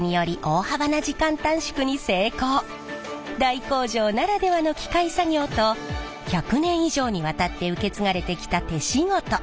大工場ならではの機械作業と１００年以上にわたって受け継がれてきた手仕事。